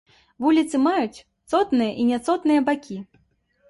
Вуліцы маюць цотныя і няцотныя бакі.